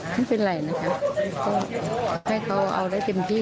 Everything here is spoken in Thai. ไม่เป็นไรนะคะก็ให้เขาเอาได้เต็มที่